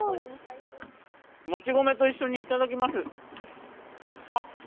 もち米と一緒にいただきます。